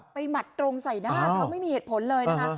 หมัดตรงใส่หน้าเขาไม่มีเหตุผลเลยนะคะ